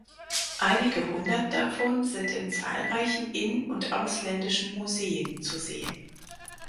Einige hundert davon sind in zahlreichen in- und ausländischen Museen zu sehen.